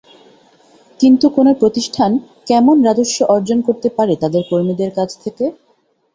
কিন্তু কোনো প্রতিষ্ঠান কেমন রাজস্ব অর্জন করতে পারে তাদের কর্মীদের কাছ থেকে?